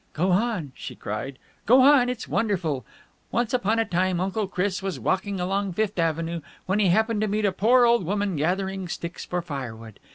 "Go on!" she cried. "Go on! It's wonderful! Once upon a time Uncle Chris was walking along Fifth Avenue, when he happened to meet a poor old woman gathering sticks for firewood.